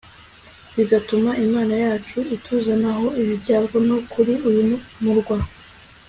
Bigatuma imana yacu ituzanaho ibi byago no kuri uyu murwa